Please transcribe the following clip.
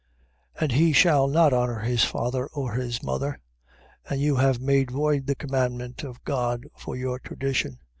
And he shall not honour his father or his mother: and you have made void the commandment of God for your tradition.